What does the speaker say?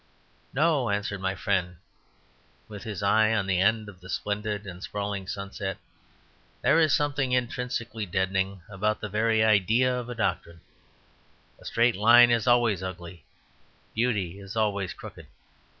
"No," answered my friend with his eye on the end of a splendid and sprawling sunset, "there is something intrinsically deadening about the very idea of a doctrine. A straight line is always ugly. Beauty is always crooked.